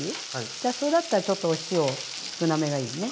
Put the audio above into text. じゃあそれだったらちょっとお塩少なめがいいね。